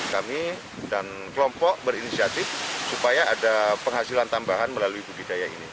kami dan kelompok berinisiatif supaya ada penghasilan tambahan melalui budidaya ini